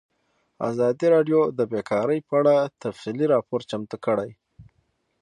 ازادي راډیو د بیکاري په اړه تفصیلي راپور چمتو کړی.